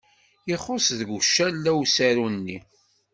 Ixuṣṣ deg ucala usaru-nni.